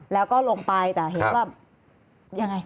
แล้วก็ลงไปแต่เห็นว่ายังไง